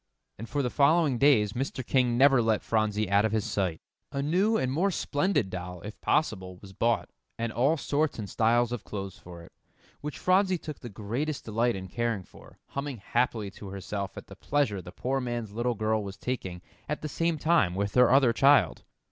And for the following days, Mr. King never let Phronsie out of his sight. A new and more splendid doll, if possible, was bought, and all sorts and styles of clothes for it, which Phronsie took the greatest delight in caring for, humming happily to herself at the pleasure the poor man's little girl was taking at the same time with her other child.